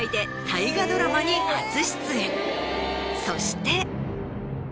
そして。